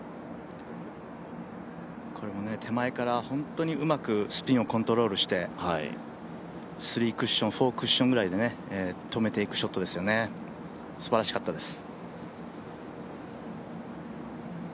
これも手前から本当にうまくスピンをコントロールして、３クッション、４クッションぐらいで止めていくショットですよね、すばらしかったです。